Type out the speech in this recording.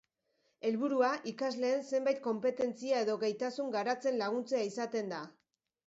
Helburua ikasleen zenbait konpetentzia edo gaitasun garatzen laguntzea izaten da.